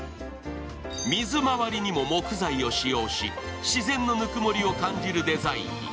水回りにも木材を使用し、自然のぬくもりを感じるデザインに。